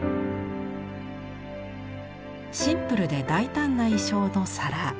シンプルで大胆な意匠の皿。